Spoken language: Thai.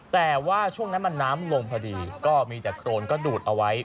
แต่ว่าช่วงนั้นมันน้ำลงพอดีก็มีแต่โครนก็ดูดเอาไว้